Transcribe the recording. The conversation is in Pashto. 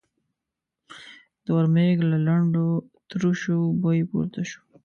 د ورمېږ له لندو تروشو بوی پورته شو.